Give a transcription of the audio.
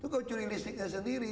kalau curi listriknya sendiri